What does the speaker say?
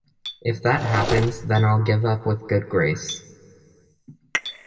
If that happens then I'll give up with good grace.